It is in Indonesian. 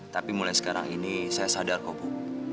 tapi mulai sekarang ini saya sadar kok bu